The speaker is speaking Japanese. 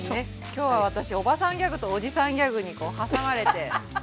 きょうは私おばさんギャグとおじさんギャグに挟まれて。